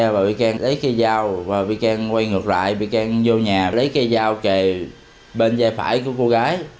vị can lấy cây dao và vị can quay ngược lại vị can vô nhà lấy cây dao kề bên da phải của cô gái